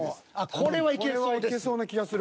これはいけそうな気がする。